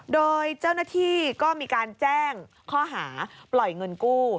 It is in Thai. โดยเจ้าหน้าที่ก็มีการแจ้งข้อหาปล่อยเงินกู้